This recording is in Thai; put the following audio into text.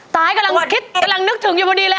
ตายกำลังคิดกำลังนึกถึงอยู่พอดีเลย